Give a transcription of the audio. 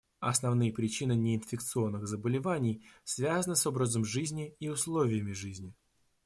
Основные причины неинфекционных заболеваний связаны с образом жизни и условиями жизни.